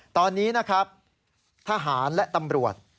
ตอนนี้นะครับทหารและตำรวจ